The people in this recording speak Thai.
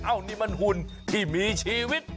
นี่มันหุ่นที่มีชีวิต